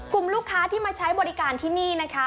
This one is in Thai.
กลุ่มลูกค้าที่มาใช้บริการที่นี่นะคะ